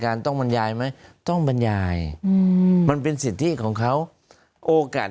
ต้องบรรยายไหมต้องบรรยายอืมมันเป็นสิทธิของเขาโอกาส